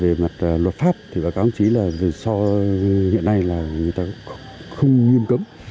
về mặt luật pháp thì báo cáo ông chí là hiện nay là người ta không nghiêm cấm